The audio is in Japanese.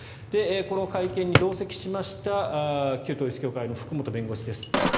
この会見に同席しました旧統一教会の福本弁護士です。